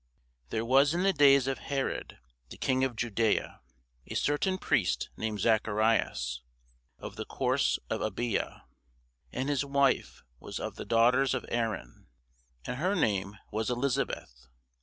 There was in the days of Herod, the king of Judæa, a certain priest named Zacharias, of the course of Abia: and his wife was of the daughters of Aaron, and her name was Elisabeth.